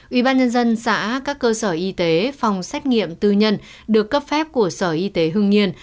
ubnd xã các cơ sở y tế phòng xét nghiệm tư nhân được cấp phép của sở y tế hưng yên